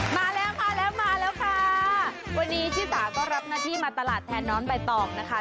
มาแล้วมาแล้วมาแล้วค่ะวันนี้ชิสาก็รับหน้าที่มาตลาดแทนน้องใบตองนะคะ